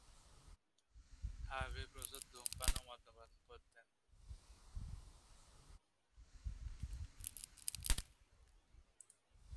Harvey প্রচুর ধূমপান ও মদ্যপান করতেন।